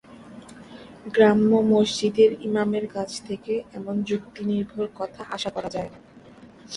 গ্রাম্য মসজিদের ইমামের কাছ থেকে এমন যুক্তিনির্ভর কথা আশা করা যায় না।